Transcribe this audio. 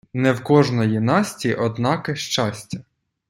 Не в кождої Насті однаке щастя.